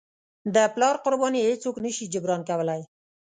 د پلار قرباني هیڅوک نه شي جبران کولی.